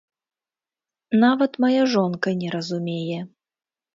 Нават мая жонка не разумее.